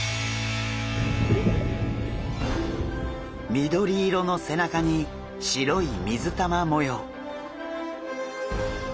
緑色の背中に白い水玉模様。